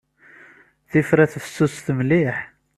Tifrat fessuset mliḥ.